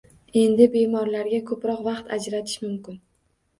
Endi bemorlarga ko`proq vaqt ajratish mumkin